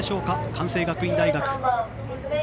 関西学院大学。